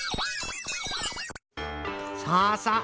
さあさあ